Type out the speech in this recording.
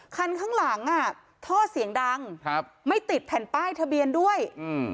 คันข้างหลังอ่ะท่อเสียงดังครับไม่ติดแผ่นป้ายทะเบียนด้วยอืม